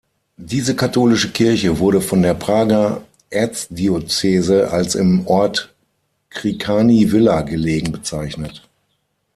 Diese katholische Kirche wurde von der Prager Erzdiözese als im Ort Krikani-Villa gelegen bezeichnet.